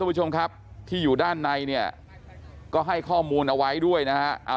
ผู้ชายที่อยู่ด้านในก็ให้ข้อมูลเอาไว้ด้วยนะครับ